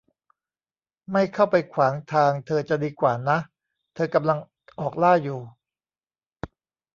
ไม่เข้าไปขวางทางเธอจะดีกว่านะ เธอกำลังออกล่าอยู่